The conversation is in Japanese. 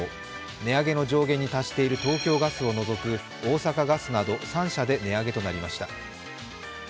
値上げの上限に達している東京ガスを除く大阪ガスなど３社で値上げとなりました。